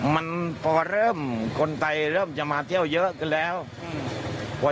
มันพอเริ่มคนไทยเริ่มจะมาเที่ยวเยอะขึ้นแล้วอืม